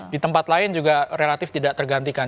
di tempat lain juga relatif tidak tergantikan